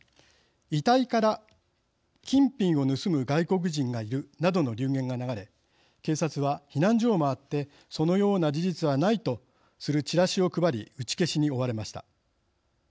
「遺体から金品を盗む外国人がいる」などの流言が流れ警察は避難所を回ってそのような事実はないとするチラシを配り打ち消しに追われました。